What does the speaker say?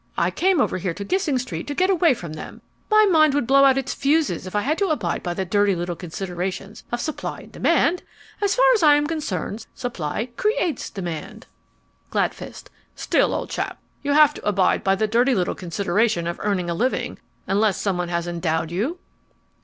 I came over here to Gissing Street to get away from them. My mind would blow out its fuses if I had to abide by the dirty little considerations of supply and demand. As far as I am concerned, supply CREATES demand. GLADFIST Still, old chap, you have to abide by the dirty little consideration of earning a living, unless someone has endowed you?